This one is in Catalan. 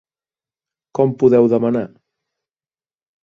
Com podeu demanar!?